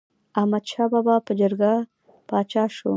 احمد شاه بابا په جرګه پاچا شو.